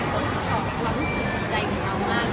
แล้วผมว่าเป็นการใช้เราที่น่ารัก